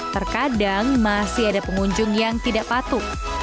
terkadang masih ada pengunjung yang tidak patuh